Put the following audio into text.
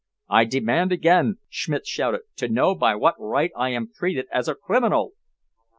"I demand again," Schmidt shouted, "to know by what right I am treated as a criminal?"